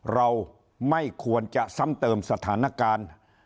เราไม่ควรจะซ้ำเติมสถานการณ์